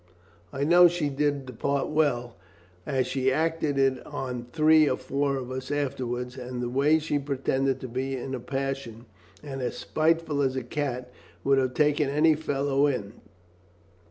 "I know she did the part well, as she acted it on three or four of us afterwards, and the way she pretended to be in a passion and as spiteful as a cat, would have taken any fellow in.